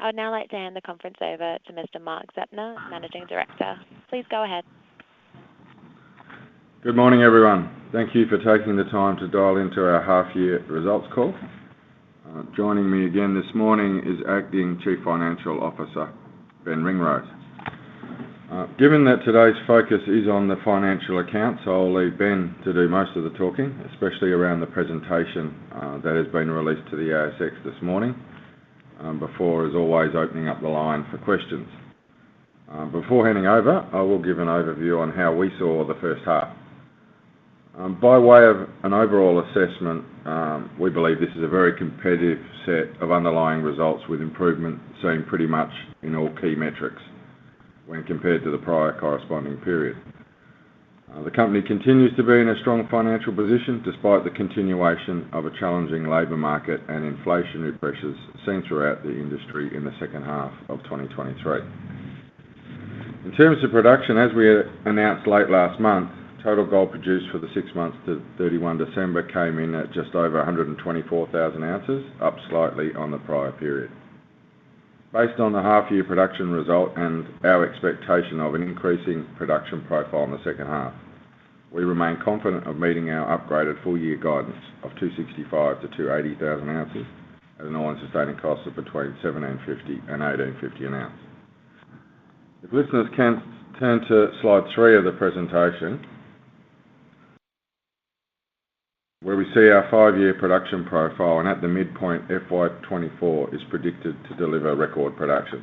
I would now like to hand the conference over to Mr. Mark Zeptner, Managing Director. Please go ahead. Good morning, everyone. Thank you for taking the time to dial into our half year results call. Joining me again this morning is Acting Chief Financial Officer, Ben Ringrose. Given that today's focus is on the financial accounts, I'll leave Ben to do most of the talking, especially around the presentation that has been released to the ASX this morning, before, as always, opening up the line for questions. Before handing over, I will give an overview on how we saw the first half. By way of an overall assessment, we believe this is a very competitive set of underlying results, with improvement seen pretty much in all key metrics when compared to the prior corresponding period. The company continues to be in a strong financial position, despite the continuation of a challenging labor market and inflationary pressures seen throughout the industry in the second half of 2023. In terms of production, as we announced late last month, total gold produced for the six months to 31 December came in at just over 124,000 ounces, up slightly on the prior period. Based on the half year production result and our expectation of an increasing production profile in the second half, we remain confident of meeting our upgraded full-year guidance of 265,000 ounces-280,000 ounces at the cost of between $1,750 and $1,850 an ounce. If listeners can turn to slide three of the presentation, where we see our five-year production profile, and at the midpoint, FY 2024 is predicted to deliver record production.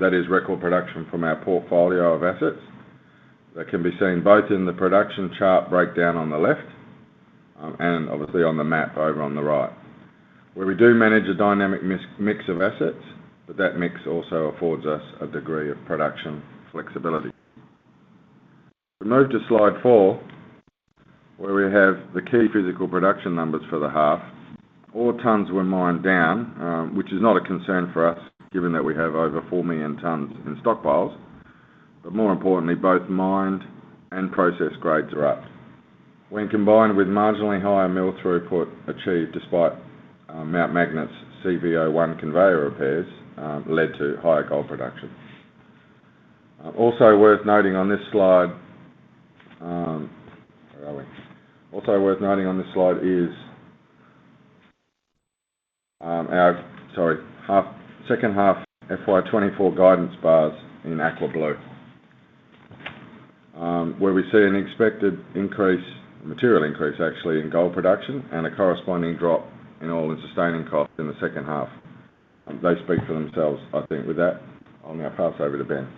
That is record production from our portfolio of assets that can be seen both in the production chart breakdown on the left, and obviously on the map over on the right. Where we do manage a dynamic mix of assets, but that mix also affords us a degree of production flexibility. If we move to slide four, where we have the key physical production numbers for the half, all tonnes were mined down, which is not a concern for us, given that we have over 4 million tonnes in stockpiles. But more importantly, both mined and processed grades are up. When combined with marginally higher mill throughput achieved despite Mount Magnet's CV01 conveyor repairs, led to higher gold production. Also worth noting on this slide is our second half FY 2024 guidance bars in aqua blue. Where we see an expected increase, material increase actually, in gold production and a corresponding drop in all-in sustaining costs in the second half. They speak for themselves, I think. With that, I'll now pass over to Ben.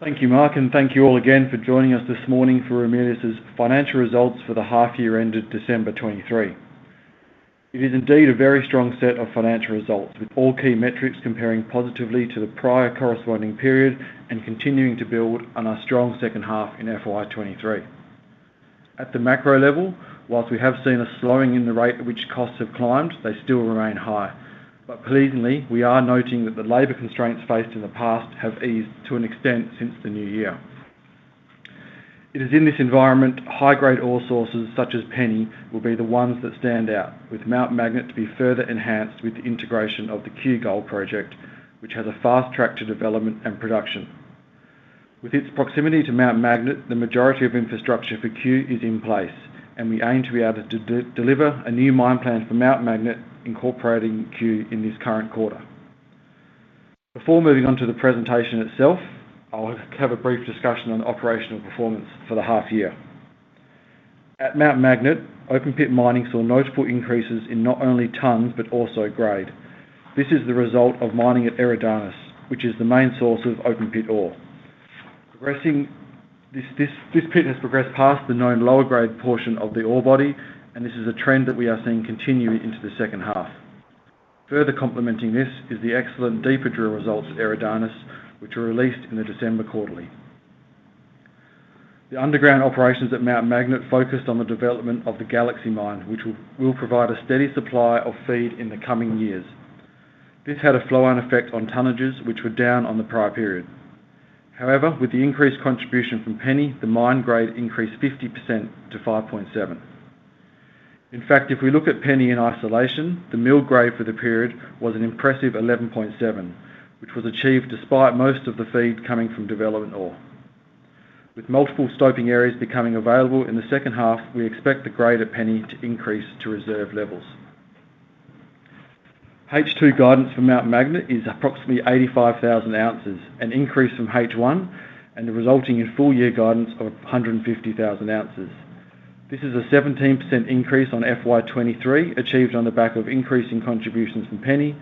Thank you, Mark, and thank you all again for joining us this morning for Ramelius Resources' financial results for the half year ended December 2023. It is indeed a very strong set of financial results, with all key metrics comparing positively to the prior corresponding period and continuing to build on our strong second half in FY 2023. At the macro level, whilst we have seen a slowing in the rate at which costs have climbed, they still remain high. But pleasingly, we are noting that the labor constraints faced in the past have eased to an extent since the new year. It is in this environment, high-grade ore sources such as Penny will be the ones that stand out, with Mount Magnet to be further enhanced with the integration of the Cue Gold Project, which has a fast track to development and production. With its proximity to Mount Magnet, the majority of infrastructure for Cue is in place, and we aim to be able to deliver a new mine plan for Mount Magnet, incorporating Cue, in this current quarter. Before moving on to the presentation itself, I'll have a brief discussion on operational performance for the half year. At Mount Magnet, open pit mining saw notable increases in not only tons, but also grade. This is the result of mining at Eridanus, which is the main source of open pit ore. Progressing, this pit has progressed past the known lower grade portion of the ore body, and this is a trend that we are seeing continue into the second half. Further complementing this is the excellent deeper drill results at Eridanus, which were released in the December quarterly. The underground operations at Mount Magnet focused on the development of the Galaxy mine, which will provide a steady supply of feed in the coming years. This had a flow-on effect on tonnages, which were down on the prior period. However, with the increased contribution from Penny, the mine grade increased 50% to 5.7 grams. In fact, if we look at Penny in isolation, the mill grade for the period was an impressive 11.7 grams, which was achieved despite most of the feed coming from development ore. With multiple stoping areas becoming available in the second half, we expect the grade at Penny to increase to reserve levels. H2 guidance for Mount Magnet is approximately 85,000 ounces, an increase from H1, and resulting in full-year guidance of 150,000 ounces. This is a 17% increase on FY 2023, achieved on the back of increasing contributions from Penny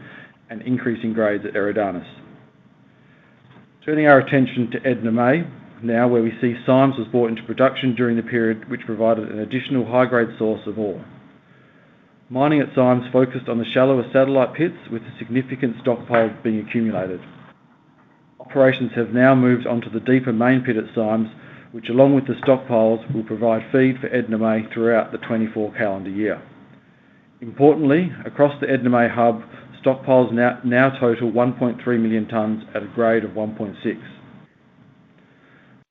and increasing grades at Eridanus. Turning our attention to Edna May, now, where we see Symes was brought into production during the period, which provided an additional high-grade source of ore. Mining at Symes focused on the shallower satellite pits, with a significant stockpile being accumulated. Operations have now moved on to the deeper main pit at Symes, which, along with the stockpiles, will provide feed for Edna May throughout the 2024 calendar year. Importantly, across the Edna May hub, stockpiles now total 1.3 million tonnes at a grade of 1.6 grams.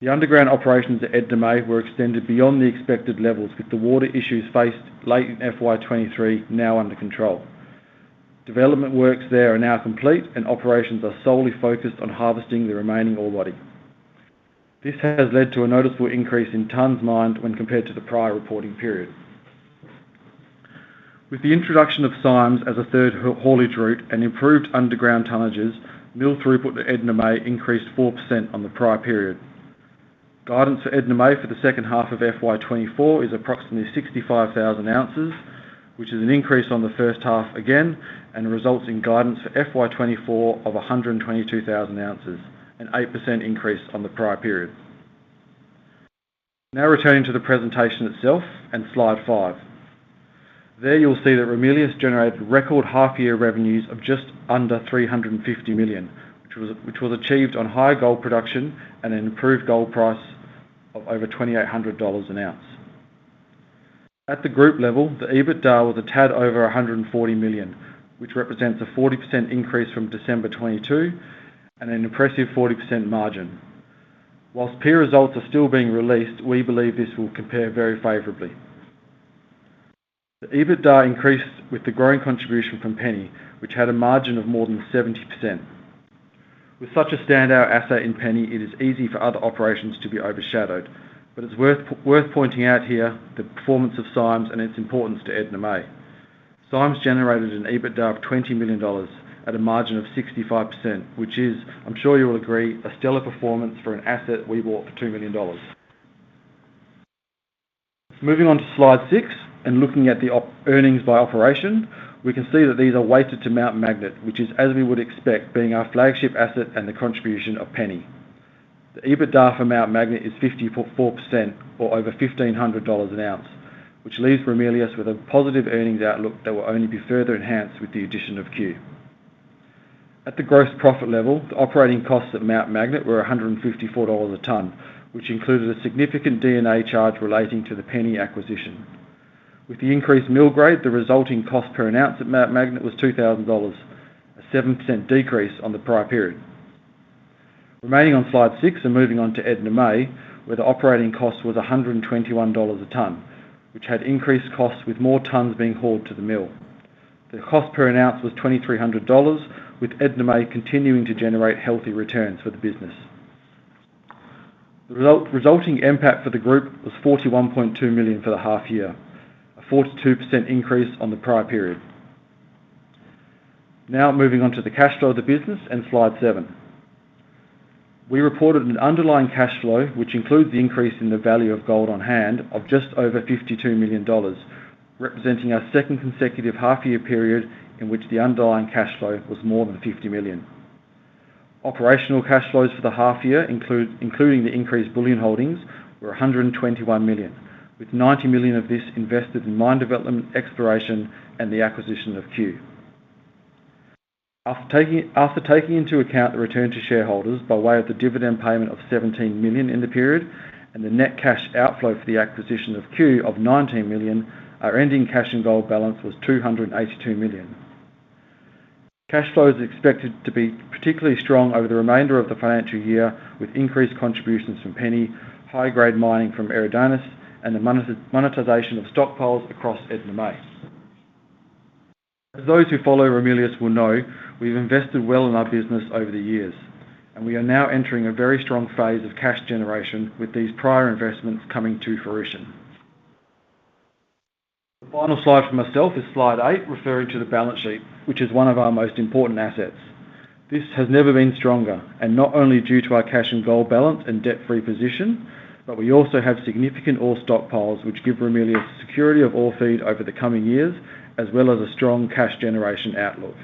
The underground operations at Edna May were extended beyond the expected levels, with the water issues faced late in FY 2023 now under control. Development works there are now complete, and operations are solely focused on harvesting the remaining ore body. This has led to a noticeable increase in tons mined when compared to the prior reporting period. With the introduction of Symes as a third haulage route and improved underground tonnages, mill throughput at Edna May increased 4% on the prior period. Guidance for Edna May for the second half of FY 2024 is approximately 65,000 ounces, which is an increase on the first half again, and results in guidance for FY 2024 of 122,000 ounces, an 8% increase on the prior period. Now returning to the presentation itself and slide five. There, you'll see that Ramelius generated record half-year revenues of just under 350 million, which was achieved on high gold production and an improved gold price of over $2,800 an ounce. At the group level, the EBITDA was a tad over 140 million, which represents a 40% increase from December 2022 and an impressive 40% margin. While peer results are still being released, we believe this will compare very favorably. The EBITDA increased with the growing contribution from Penny, which had a margin of more than 70%. With such a standout asset in Penny, it is easy for other operations to be overshadowed, but it's worth pointing out here the performance of Symes and its importance to Edna May. Symes generated an EBITDA of 20 million dollars at a margin of 65%, which is, I'm sure you will agree, a stellar performance for an asset we bought for 2 million dollars. Moving on to slide six, and looking at the earnings by operation, we can see that these are weighted to Mount Magnet, which is as we would expect, being our flagship asset and the contribution of Penny. The EBITDA for Mount Magnet is 54% or over 1,500 dollars an ounce, which leaves Ramelius with a positive earnings outlook that will only be further enhanced with the addition of Cue. At the gross profit level, the operating costs at Mount Magnet were 154 dollars a ton, which included a significant D&A charge relating to the Penny acquisition. With the increased mill grade, the resulting cost per ounce at Mount Magnet was 2,000 dollars, a 7% decrease on the prior period. Remaining on slide six and moving on to Edna May, where the operating cost was 121 dollars a ton, which had increased costs, with more tons being hauled to the mill. The cost per ounce was 2,300 dollars, with Edna May continuing to generate healthy returns for the business. The resulting NPAT for the group was 41.2 million for the half year, a 42% increase on the prior period. Now, moving on to the cash flow of the business and slide seven. We reported an underlying cash flow, which includes the increase in the value of gold on hand, of just over 52 million dollars, representing our second consecutive half year period in which the underlying cash flow was more than 50 million. Operational cash flows for the half year, including the increased bullion holdings, were 121 million, with 90 million of this invested in mine development, exploration, and the acquisition of Cue. After taking into account the return to shareholders by way of the dividend payment of 17 million in the period and the net cash outflow for the acquisition of Cue of 19 million, our ending cash and gold balance was 282 million. Cash flow is expected to be particularly strong over the remainder of the financial year, with increased contributions from Penny, high-grade mining from Eridanus, and the monetization of stockpiles across Edna May. As those who follow Ramelius will know, we've invested well in our business over the years, and we are now entering a very strong phase of cash generation, with these prior investments coming to fruition. The final slide from myself is slide eight, referring to the balance sheet, which is one of our most important assets. This has never been stronger, and not only due to our cash and gold balance and debt-free position, but we also have significant ore stockpiles, which give Ramelius security of ore feed over the coming years, as well as a strong cash generation outlook.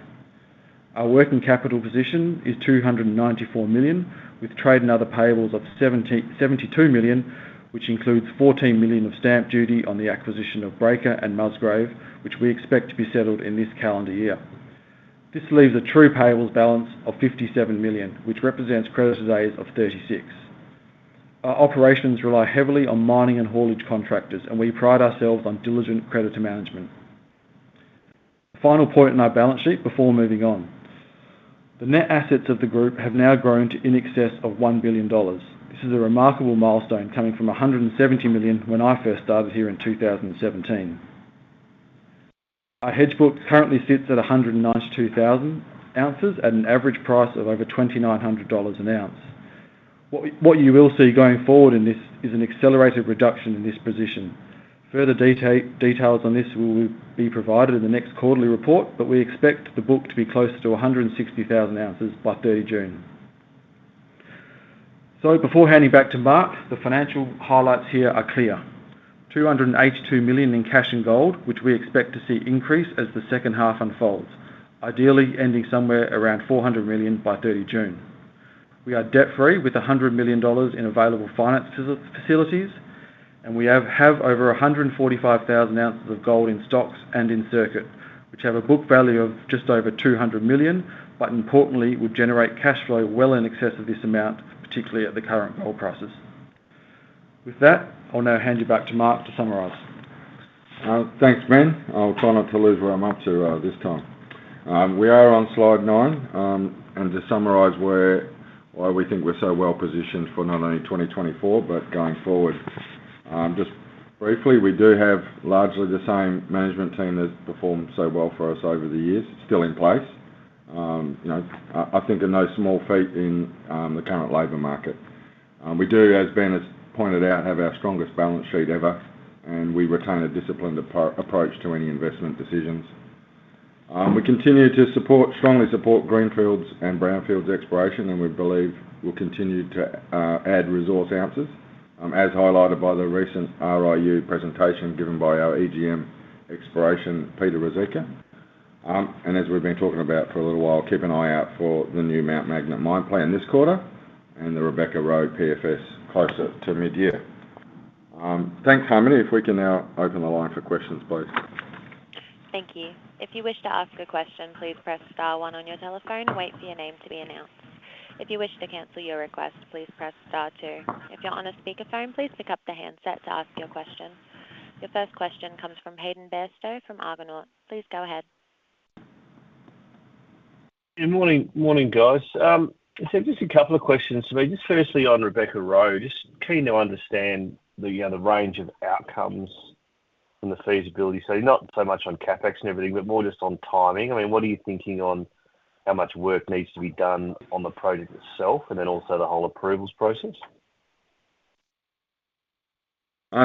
Our working capital position is 294 million, with trade and other payables of 72 million, which includes 14 million of stamp duty on the acquisition of Breaker and Musgrave, which we expect to be settled in this calendar year. This leaves a true payables balance of 57 million, which represents creditors' days of 36. Our operations rely heavily on mining and haulage contractors, and we pride ourselves on diligent creditor management. Final point in our balance sheet before moving on: The net assets of the group have now grown to in excess of 1 billion dollars. This is a remarkable milestone, coming from 170 million when I first started here in 2017. Our hedge book currently sits at 192,000 ounces at an average price of over $2,900 an ounce. What you will see going forward in this is an accelerated reduction in this position. Further details on this will be provided in the next quarterly report, but we expect the book to be closer to 160,000 ounces by 30 June. So before handing back to Mark, the financial highlights here are clear. 282 million in cash and gold, which we expect to see increase as the second half unfolds, ideally ending somewhere around 400 million by 30 June. We are debt-free with 100 million dollars in available finance facilities, and we have over 145,000 ounces of gold in stocks and in circuit, which have a book value of just over 200 million, but importantly, will generate cash flow well in excess of this amount, particularly at the current gold prices. With that, I'll now hand you back to Mark to summarize. Thanks, Ben. I'll try not to lose where I'm up to, this time. We are on slide nine, and to summarize where, why we think we're so well positioned for not only 2024, but going forward. Just briefly, we do have largely the same management team that's performed so well for us over the years, still in place. You know, I, I think they're no small feat in, the current labor market. We do, as Ben has pointed out, have our strongest balance sheet ever, and we retain a disciplined approach to any investment decisions. We continue to strongly support greenfields and brownfields exploration, and we believe we'll continue to, add resource answers. As highlighted by the recent RIU presentation given by our EGM Exploration, Peter Ruzicka. As we've been talking about for a little while, keep an eye out for the new Mount Magnet mine plan this quarter and the Rebecca-Roe PFS closer to midyear. Thanks, Harmony. If we can now open the line for questions, please. Thank you. If you wish to ask a question, please press star one on your telephone and wait for your name to be announced. If you wish to cancel your request, please press star two. If you're on a speakerphone, please pick up the handset to ask your question. Your first question comes from Hayden Bairstow from Argonaut. Please go ahead. Good morning. Morning, guys. So just a couple of questions to me. Just firstly, on Rebecca-Roe, just keen to understand the range of outcomes and the feasibility. So not so much on CapEx and everything, but more just on timing. I mean, what are you thinking on how much work needs to be done on the project itself and then also the whole approvals process?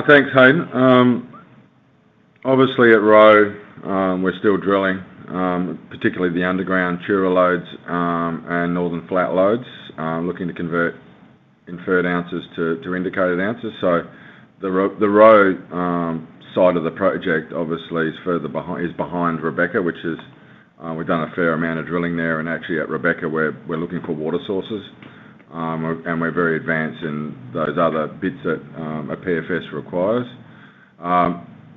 Thanks, Hayden. Obviously at Roe, we're still drilling, particularly the underground Tura lodes, and Northern Flat lodes. Looking to convert inferred resources to indicated resources. So the Roe side of the project obviously is further behind Rebecca, which is, we've done a fair amount of drilling there, and actually at Rebecca, we're looking for water sources. And we're very advanced in those other bits that a PFS requires.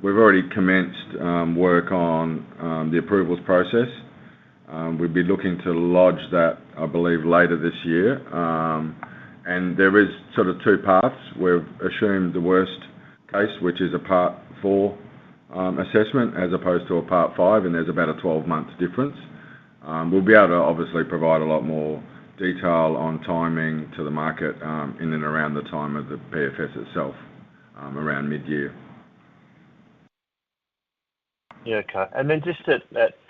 We've already commenced work on the approvals process. We'd be looking to lodge that, I believe, later this year. And there is sort of two paths. We've assumed the worst case, which is a Part IV assessment, as opposed to a Part V, and there's about a 12-month difference. We'll be able to obviously provide a lot more detail on timing to the market, in and around the time of the PFS itself, around mid-year. Yeah, okay. And then just at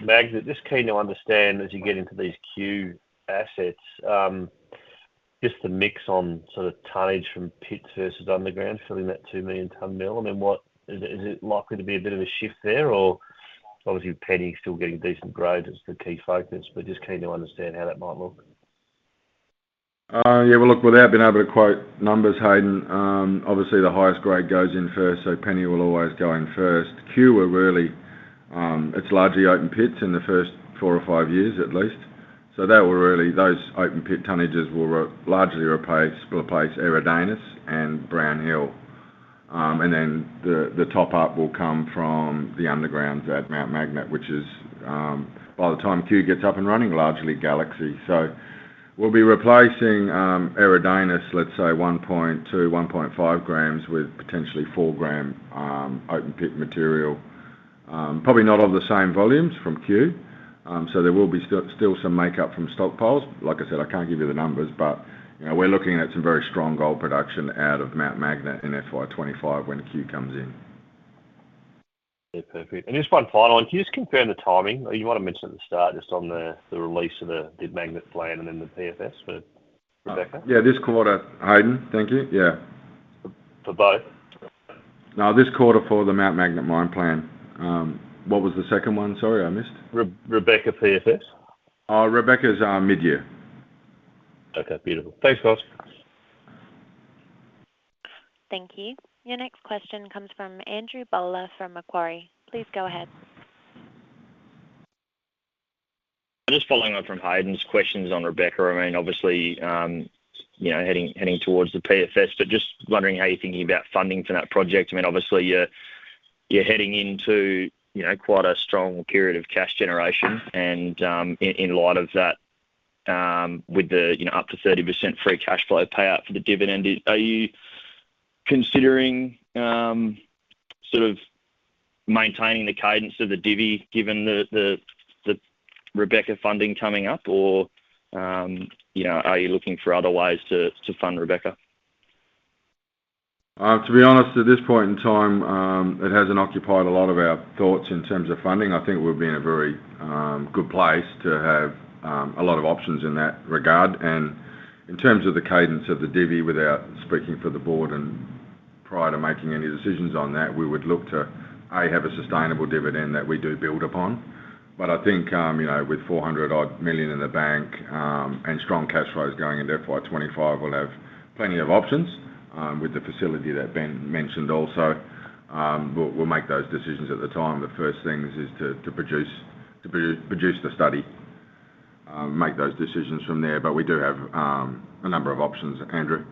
Magnet, just keen to understand as you get into these Cue assets, just the mix on sort of tonnage from pits versus underground, filling that 2 million ton mill. I mean, what is it, is it likely to be a bit of a shift there? Or obviously, Penny still getting decent grades, it's the key focus, but just keen to understand how that might look. Yeah, well, look, without being able to quote numbers, Hayden, obviously, the highest grade goes in first, so Penny will always go in first. Cue, we're really, it's largely open pits in the first four or five years at least. So that will really, those open pit tonnages will largely replace Eridanus and Brown Hill. And then the top-up will come from the undergrounds at Mount Magnet, which is, by the time Cue gets up and running, largely Galaxy. So we'll be replacing Eridanus, let's say 1.2 grams, 1.5 grams with potentially 4-gram open pit material. Probably not of the same volumes from Cue, so there will be still some makeup from stockpiles. Like I said, I can't give you the numbers, but, you know, we're looking at some very strong gold production out of Mount Magnet in FY 2025 when the Cue comes in. Yeah, perfect. Just one final one. Can you just confirm the timing? You might have mentioned at the start, just on the release of the Mount Magnet plan and then the PFS for Rebecca. Yeah, this quarter, Hayden. Thank you. Yeah. For both? No, this quarter for the Mount Magnet mine plan. What was the second one? Sorry, I missed. Rebecca PFS. Oh, Rebecca's mid-year. Okay, beautiful. Thanks, guys. Thank you. Your next question comes from Andrew Bowler, from Macquarie. Please go ahead. Just following up from Hayden's questions on Rebecca, I mean, obviously, you know, heading towards the PFS, but just wondering how you're thinking about funding for that project. I mean, obviously, you're heading into, you know, quite a strong period of cash generation. In light of that, with the, you know, up to 30% free cash flow payout for the dividend, are you considering, sort of maintaining the cadence of the divvy, given the Rebecca funding coming up? Or, you know, are you looking for other ways to fund Rebecca? To be honest, at this point in time, it hasn't occupied a lot of our thoughts in terms of funding. I think we'll be in a very good place to have a lot of options in that regard. And in terms of the cadence of the divvy, without speaking for the board and prior to making any decisions on that, we would look to, A, have a sustainable dividend that we do build upon. But I think, you know, with 400-odd million in the bank, and strong cash flows going into FY 2025, we'll have plenty of options, with the facility that Ben mentioned also. We'll make those decisions at the time. The first things is to produce the study, make those decisions from there. But we do have a number of options, Andrew.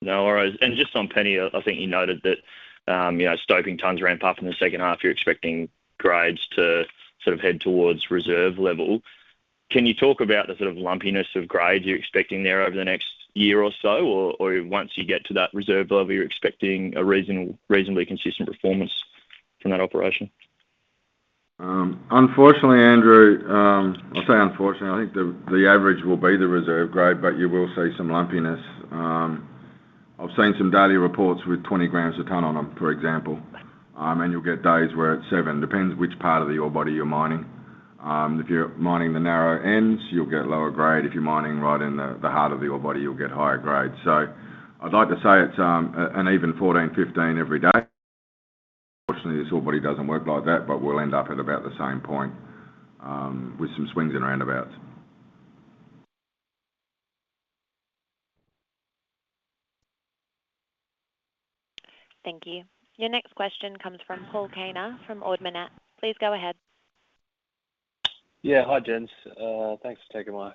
No, all right. And just on Penny, I think you noted that, you know, stoping tonnes ramp up in the second half, you're expecting grades to sort of head towards reserve level. Can you talk about the sort of lumpiness of grades you're expecting there over the next year or so? Or once you get to that reserve level, you're expecting a reasonable, reasonably consistent performance from that operation? Unfortunately, Andrew, I'll say unfortunately, I think the average will be the reserve grade, but you will see some lumpiness. I've seen some daily reports with 20 grams a ton on them, for example, and you'll get days where it's 7 grams. Depends which part of the ore body you're mining. If you're mining the narrow ends, you'll get lower grade. If you're mining right in the heart of the ore body, you'll get higher grades. So I'd like to say it's an even 14 grams, 15 grams every day. Unfortunately, this ore body doesn't work like that, but we'll end up at about the same point, with some swings and roundabouts. Thank you. Your next question comes from Paul Kaner, from Ord Minnett. Please go ahead. Yeah. Hi, gents. Thanks for taking my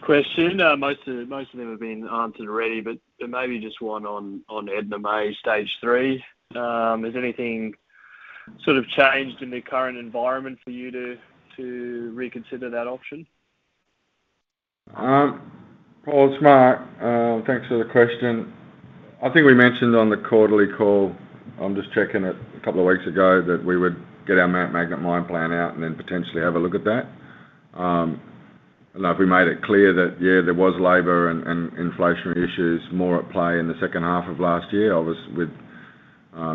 question. Most of, most of them have been answered already, but maybe just one on, on Edna May Stage Three. Has anything sort of changed in the current environment for you to, to reconsider that option? Paul, it's Mark. Thanks for the question. I think we mentioned on the quarterly call, I'm just checking it, a couple of weeks ago, that we would get our Mount Magnet mine plan out and then potentially have a look at that. And like we made it clear that, yeah, there was labor and inflationary issues more at play in the second half of last year. Obviously, with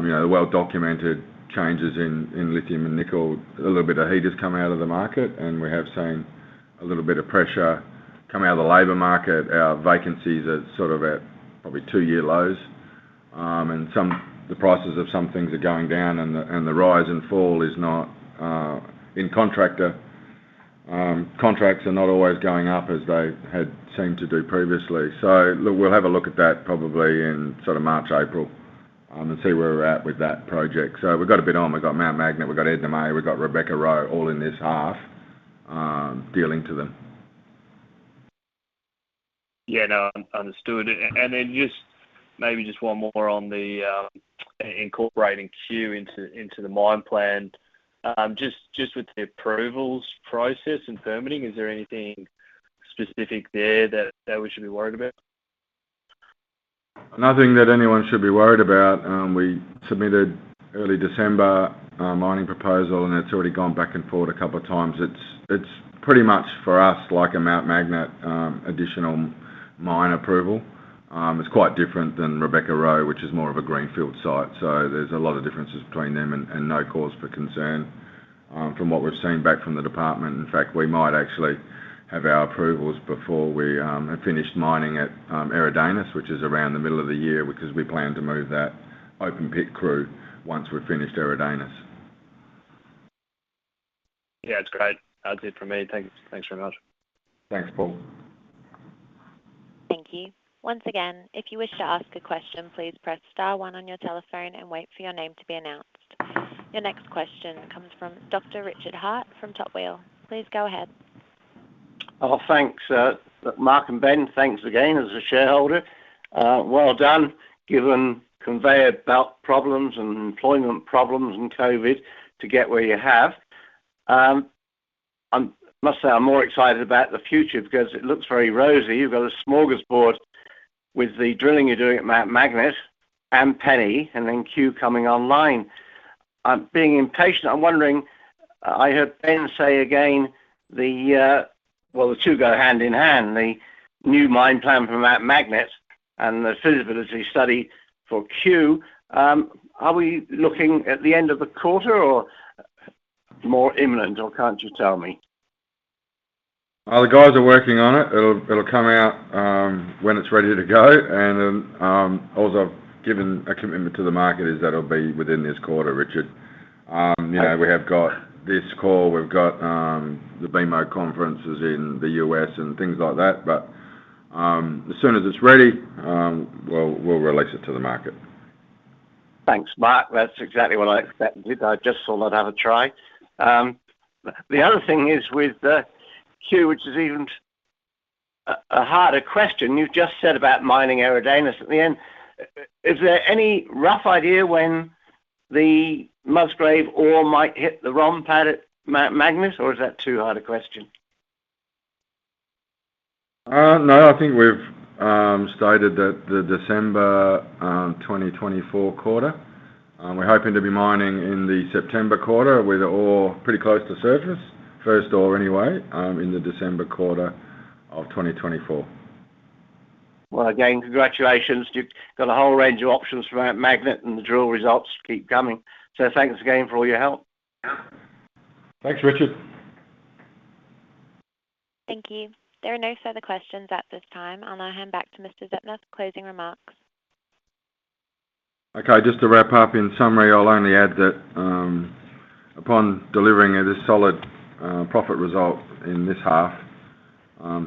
you know, the well-documented changes in lithium and nickel, a little bit of heat has come out of the market, and we have seen a little bit of pressure come out of the labor market. Our vacancies are sort of at probably two-year lows, and the prices of some things are going down, and the rise and fall is not in contractor... Contracts are not always going up as they had seemed to do previously. So look, we'll have a look at that probably in sort of March, April, and see where we're at with that project. So we've got a bit on. We've got Mount Magnet, we've got Edna May, we've got Rebecca-Roe, all in this half, dealing to them. Yeah, no, understood. And then just maybe one more on incorporating Cue into the mine plan. Just with the approvals process and permitting, is there anything specific there that we should be worried about? Nothing that anyone should be worried about. We submitted early December, mining proposal, and it's already gone back and forth a couple of times. It's, it's pretty much for us, like a Mount Magnet, additional mine approval. It's quite different than Rebecca-Roe, which is more of a greenfield site. So there's a lot of differences between them and, and no cause for concern, from what we've seen back from the department. In fact, we might actually have our approvals before we, have finished mining at, Eridanus, which is around the middle of the year, because we plan to move that open pit crew once we've finished Eridanus. Yeah, it's great. That's it for me. Thank you. Thanks very much. Thanks, Paul. Thank you. Once again, if you wish to ask a question, please press star one on your telephone and wait for your name to be announced. Your next question comes from Dr. Richard Hart from Top Wheel. Please go ahead. Oh, thanks, Mark and Ben. Thanks again, as a shareholder. Well done, given conveyor belt problems and employment problems and COVID, to get where you have. I must say I'm more excited about the future because it looks very rosy. You've got a smorgasbord with the drilling you're doing at Mount Magnet and Penny, and then Cue coming online. I'm being impatient. I'm wondering, I heard Ben say again, the... Well, the two go hand in hand, the new mine plan for Mount Magnet and the feasibility study for Cue. Are we looking at the end of the quarter or more imminent, or can't you tell me? The guys are working on it. It'll, it'll come out when it's ready to go, and then all I've given a commitment to the market is that it'll be within this quarter, Richard. You know, we have got this call, we've got the BMO conference is in the U.S. and things like that, but as soon as it's ready, we'll, we'll release it to the market. Thanks, Mark. That's exactly what I expected. I just thought I'd have a try. The other thing is with Cue, which is even a harder question, you've just said about mining Eridanus at the end. Is there any rough idea when the Musgrave ore might hit the ROM pad at Mount Magnet, or is that too hard a question? No, I think we've stated that the December 2024 quarter. We're hoping to be mining in the September quarter, with ore pretty close to surface. First ore, anyway, in the December quarter of 2024. Well, again, congratulations. You've got a whole range of options for Mount Magnet, and the drill results keep coming. So thanks again for all your help. Thanks, Richard. Thank you. There are no further questions at this time. I'll now hand back to Mr. Zeptner for closing remarks. Okay, just to wrap up, in summary, I'll only add that, upon delivering this solid, profit result in this half,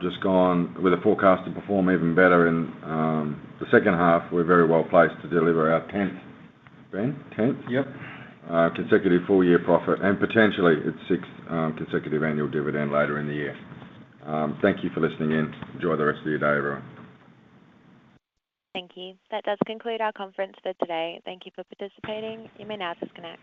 just gone with a forecast to perform even better in, the second half, we're very well placed to deliver our tenth, Ben, tenth? Yep. Consecutive full-year profit, and potentially, its sixth, consecutive annual dividend later in the year. Thank you for listening in. Enjoy the rest of your day, everyone. Thank you. That does conclude our conference for today. Thank you for participating. You may now disconnect.